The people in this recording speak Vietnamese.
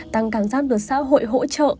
tăng cảm giác được xã hội hỗ trợ